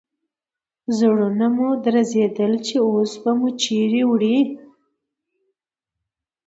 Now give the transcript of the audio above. زړونه مو درزېدل چې اوس به مو چیرې وړي.